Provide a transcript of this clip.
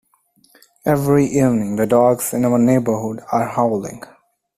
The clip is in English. Every evening, the dogs in our neighbourhood are howling.